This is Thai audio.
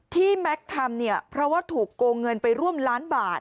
แม็กซ์ทำเนี่ยเพราะว่าถูกโกงเงินไปร่วมล้านบาท